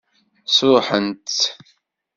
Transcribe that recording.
Sṛuḥent-tt?